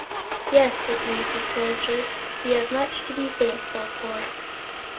"Yes," agreed the Soldier, "we have much to be thankful for."